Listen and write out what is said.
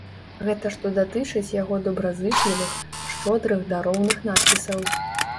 Гэта што датычыць яго добразычлівых, шчодрых дароўных надпісаў.